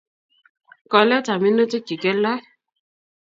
koletap minutik chekialdoi